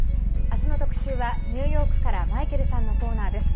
あすの特集はニューヨークからマイケルさんのコーナーです。